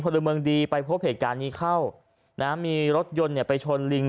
พลเมืองดีไปพบเหตุการณ์นี้เข้านะมีรถยนต์เนี่ยไปชนลิง